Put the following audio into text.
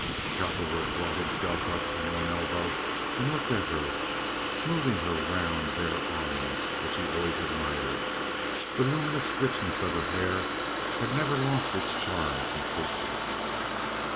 Cowperwood brought himself up on one elbow and looked at her, smoothing her round, bare arms, which he always admired. The luminous richness of her hair had never lost its charm completely.